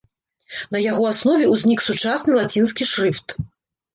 На яго аснове ўзнік сучасны лацінскі шрыфт.